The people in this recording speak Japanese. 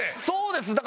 そうです。